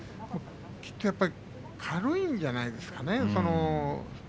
やっぱり軽いんじゃないですかね。